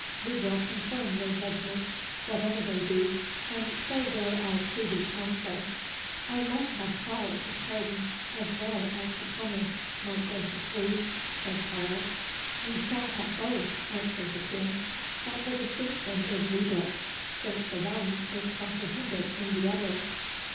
We will confirm your judgments, whatever they be, and sae will our Preevy Council." "I must have power to pardon, as well as to punish, my gracious Liege," said Charles. "Ye shall hae baith," answered the King; "but the distinction is needless, since the ane is comprehended in the ither.